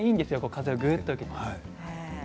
風をぐっと受けて。